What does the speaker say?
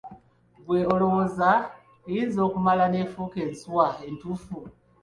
Ggwe olowooza eyinza okumala n'efuuka ensuuwa entuufu era ennamu?